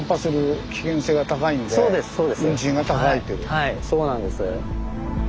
はいそうなんです。